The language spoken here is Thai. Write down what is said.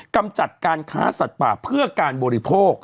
กำจัดการค้าสัตว์ป่าเพื่อการบริโภค